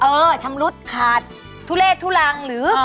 เออชำรุดขาดทุเลศทุลังหรือ